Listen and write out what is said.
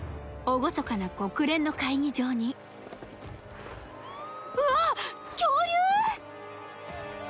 厳かな国連の会議場にうわっ恐竜！？